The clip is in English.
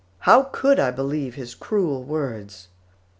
How could I believe his cruel words?